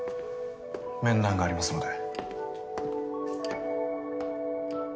面談がありますので。